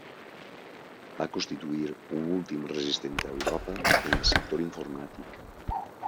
Va constituir un últim resistent a Europa en el sector informàtic.